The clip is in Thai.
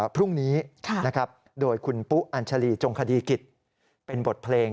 พรุ่งนี้นะครับโดยคุณปุ๊กอัญชรีจงคดีกิตร์เป็นบทเพลง